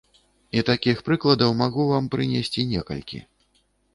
І такіх прыкладаў магу вам прынесці некалькі.